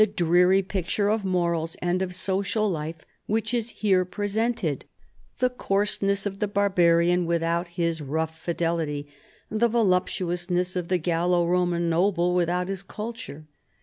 dreary picture of morals and of social life which is there presented : the coarseness of the barbarian without his rough fidelity, the voluptuousness of the Gallo Koraan noble without his culture.